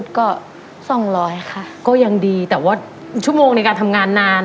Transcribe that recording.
๕๖ชั่วโมง